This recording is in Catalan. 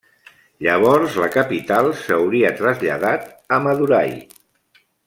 Llavors la capital s'hauria traslladat a Madurai.